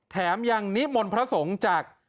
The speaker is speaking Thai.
แถมยังนิมนต์พระสงฆ์จาก